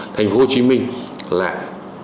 thành phố hồ chí minh lại